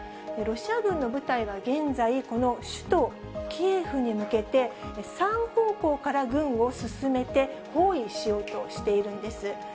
ロシア軍の部隊は現在、この首都キエフに向けて、３方向から軍を進めて、包囲しようとしているんです。